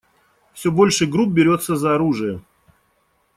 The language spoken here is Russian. Все больше групп берется за оружие.